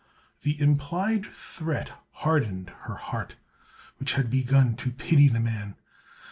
The implied threat hardened her heart, which had begun to pity the man.